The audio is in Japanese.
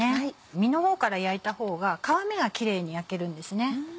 身の方から焼いた方が皮目がキレイに焼けるんです。